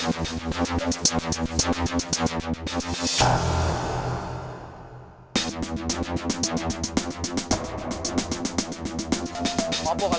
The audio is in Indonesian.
lo udah mau buat apa